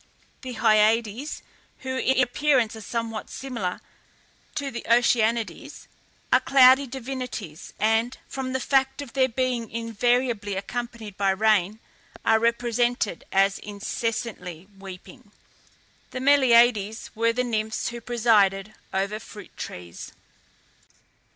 The HYADES, who in appearance are somewhat similar to the Oceanides, are cloudy divinities, and, from the fact of their being invariably accompanied by rain, are represented as incessantly weeping. The MELIADES were the nymphs who presided over fruit trees.